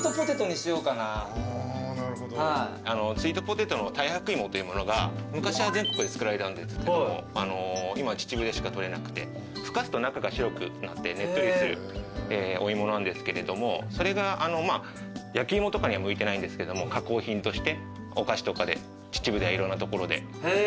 スイートポテトの太白芋というものが昔は全国で作られたんですけども今秩父でしかとれなくてふかすと中が白くなってねっとりするお芋なんですけれどもそれが焼き芋とかには向いてないんですけども加工品としてお菓子とかで秩父ではいろんな所で提供させていただいて。